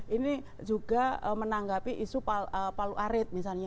ini juga menanggapi isu palu arit misalnya